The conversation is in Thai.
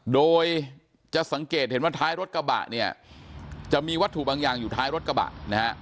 โดยจะสังเกตเห็นว่าท้ายรถกระบะเนี่ยจะมีวัตถุบางอย่างอยู่ท้ายรถกระบะนะฮะ